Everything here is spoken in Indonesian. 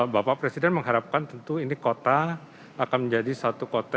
bapak presiden mengharapkan tentu ini kota akan menjadi satu kota